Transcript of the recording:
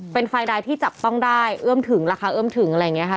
เป็นไฟใดที่จับต้องได้เอื้อมถึงราคาเอื้อมถึงอะไรอย่างนี้ค่ะ